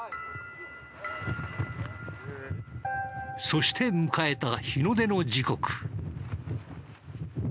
そして迎えた日の出の時刻。